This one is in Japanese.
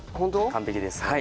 完璧です。